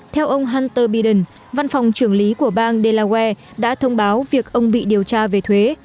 theo ông hunter biden văn phòng trưởng lý của bang delaware đã thông báo việc ông bị điều tra về thuế